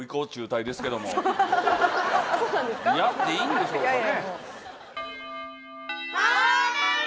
やっていいんでしょうかね。